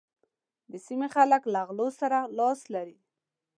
د سيمې خلک له غلو سره لاس لري.